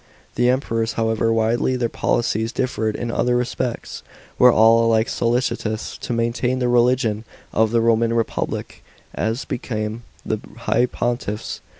*§ 21. The Emperors, however widely their policies differed in other respects, were all alike solicitous to maintain the religion of the Roman republic, as became the high pontiffs.